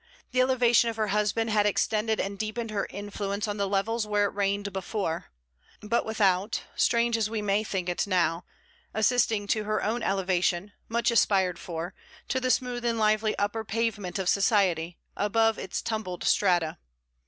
The elevation of her husband had extended and deepened her influence on the levels where it reigned before, but without, strange as we may think it now, assisting to her own elevation, much aspired for, to the smooth and lively upper pavement of Society, above its tumbled strata.